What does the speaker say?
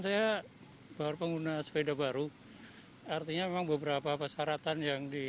saya baru pengguna sepeda baru artinya memang beberapa persyaratan yang di